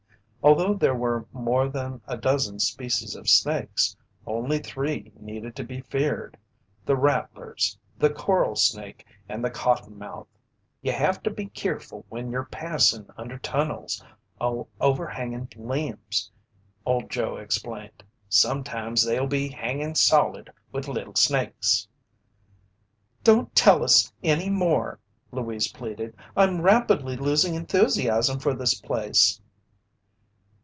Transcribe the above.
Although there were more than a dozen species of snakes, only three needed to be feared, the rattlers, the coral snake, and the cottonmouth. "Ye have to be keerful when yer passin' under tunnels o' overhanging limbs," Old Joe explained. "Sometimes they'll be hangin' solid with little snakes." "Don't tell us any more," Louise pleaded. "I'm rapidly losing enthusiasm for this place!"